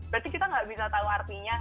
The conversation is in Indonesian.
berarti kita nggak bisa tahu artinya